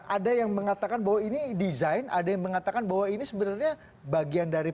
ada yang mengatakan bahwa ini desain ada yang mengatakan bahwa ini sebenarnya bagian dari